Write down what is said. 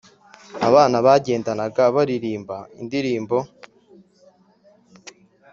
abana bagendanaga, baririmba indirimbo.